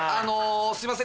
すいません